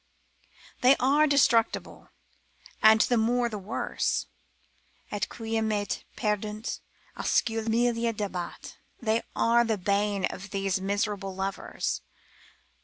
They are destructive, and the more the worse: Et quae me perdunt, oscula mille dabat, they are the bane of these miserable lovers.